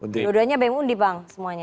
kedua duanya bem undi bang semuanya